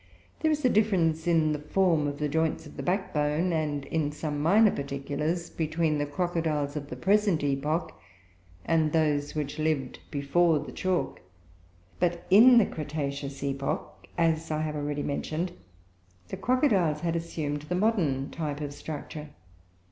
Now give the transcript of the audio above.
There is a difference in the form of the joints of the back bone, and in some minor particulars, between the crocodiles of the present epoch and those which lived before the chalk; but, in the cretaceous epoch, as I have already mentioned, the crocodiles had assumed the modern type of structure.